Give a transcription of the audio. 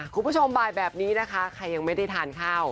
คุณผู้ชมบ่ายแบบนี้นะคะใครยังไม่ได้ทานข้าว